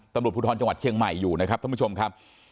ตำรวจภูทรจังหวัดเชียงใหม่อยู่นะครับ